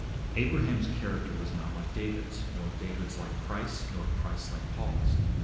Abraham's character was not like David's, nor David's like Christ's, nor Christ's like Paul's.